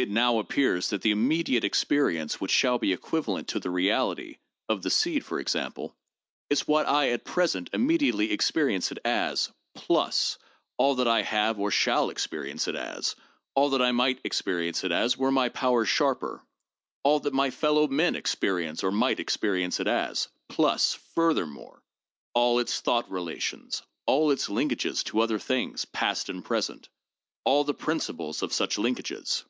It now appears that the imme diate experience which shall be equivalent to the reality (of the seed, for example) is what I at present immediately experience it as, plus all that I have or shall experience it as, all that I might experience it as were my powers sharper, all that my fellow men experience or. might experience it as; plus, furthermore, all its thought relations, all its linkages to other things, past and present, all the principles of such linkages.